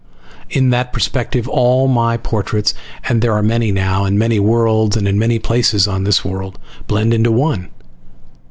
In that perspective all my portraits (and there are many now, on many worlds and in many places on this world!) blend into one.